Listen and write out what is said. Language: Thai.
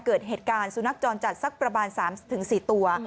เกิดเหตุการณ์สุนัขจรจัดสักประมาณ๓๔ตัว